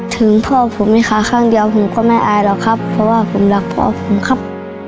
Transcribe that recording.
ถึงพ่อผมมีขาข้างเดียวผมก็ไม่อายหรอกครับเพราะว่าผมรักพ่อผมครับ